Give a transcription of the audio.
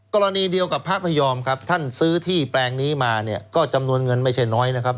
กรณีเดียวกับพระพยอมครับท่านซื้อที่แปลงนี้มาเนี่ยก็จำนวนเงินไม่ใช่น้อยนะครับ